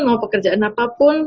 mau pekerjaan apapun